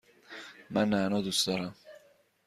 من نعنا دوست دارم.